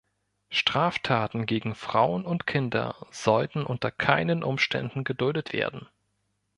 Straftaten gegen Frauen und Kinder sollten unter keinen Umständen geduldet werden.